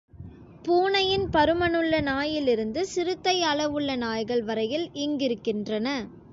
பூனையின் பருமனுள்ள நாயிலிருந்து சிறுத்தை அளவுள்ள நாய்கள் வரையில் இங்கிருக்கின்றன.